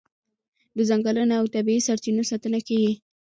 د ځنګلونو او طبیعي سرچینو ساتنه کیږي.